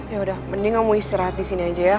yaudah mending kamu istirahat disini aja ya